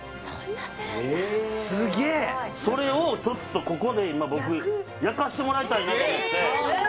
ヤバいそれをちょっとここで今僕焼かせてもらいたいなと思ってすげえ！